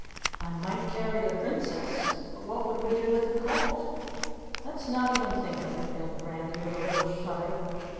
I might carry the Princess, but what would we do with the colt?" "Let's not even think of it," begged Randy with a little shudder.